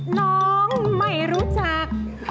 น้องไม่รู้จัก